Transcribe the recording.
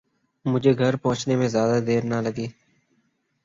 مجھے گھر پہنچنے میں زیادہ دیر نہ لگی